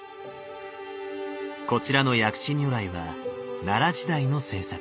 こちらの薬師如来は奈良時代の制作。